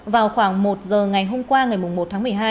vào khoảng một giờ ngày hôm qua ngày một tháng một mươi hai